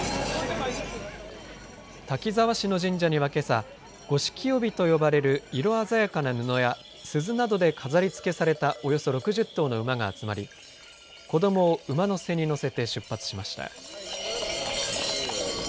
滝沢市の神社にはけさ五色帯と呼ばれる色鮮やかな布や鈴などで飾りつけされたおよそ６０頭の馬が集まり子どもを馬の背に乗せて出発しました。